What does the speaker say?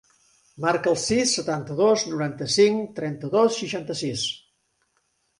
Marca el sis, setanta-dos, noranta-cinc, trenta-dos, seixanta-sis.